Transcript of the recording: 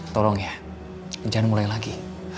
tolong ya jangan mulai lagi